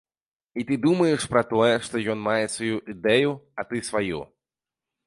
І ты думаеш, пра тое, што ён мае сваю ідэю, а ты сваю.